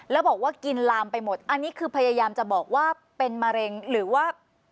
แล้วบอกว่ากินลามไปหมดอันนี้คือพยายามจะบอกว่าเป็นมะเร็งหรือว่า